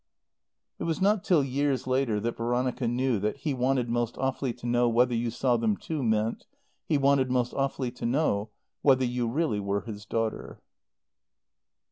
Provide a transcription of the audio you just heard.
It was not till years later that Veronica knew that "He wanted most awfully to know whether you saw them too" meant "He wanted most awfully to know whether you really were his daughter."